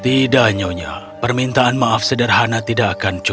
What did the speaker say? tidak nyonya permintaan maaf sederhana tidak akan cukup